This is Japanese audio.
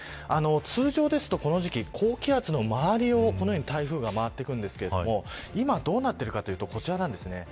通常ですとこの時期、高気圧の周りを台風が回っていくんですが今どうなっているかというとこちらです。